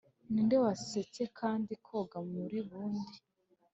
ninde wasetse kandi koga muri bund *